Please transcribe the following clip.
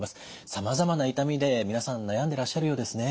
さまざまな痛みで皆さん悩んでらっしゃるようですね。